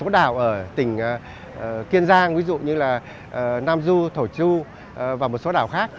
đảo ở tỉnh kiên giang nam du thổ chu và một số đảo khác